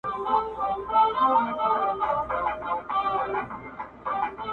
o نور به بیا په ګران افغانستان کي سره ګورو,